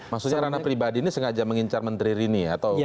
maksudnya ranah pribadi ini sengaja mengincar menteri rini atau